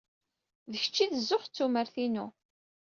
D kečč ay d zzux ed tumert-inu.